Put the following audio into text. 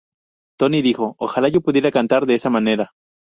Toni dijo: "ojalá yo pudiera cantar de esa manera".